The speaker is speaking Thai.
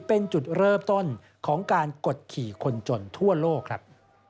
เป็นจุดเริ่มต้นของการกดขี่คนจนทั่วโลกครับ